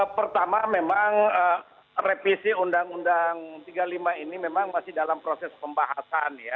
pertama memang revisi undang undang tiga puluh lima ini memang masih dalam proses pembahasan ya